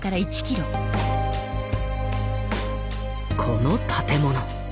この建物。